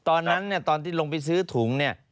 ตอนนั้นเนี่ยตอนที่ลงไปซื้อถุงเนี่ย